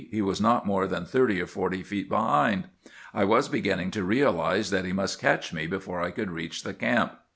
He was not more than thirty or forty feet behind. I was beginning to realize that he must catch me before I could reach the camp.